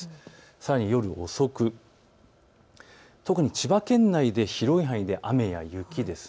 さらに夜遅く、特に千葉県内で広い範囲で雨や雪です。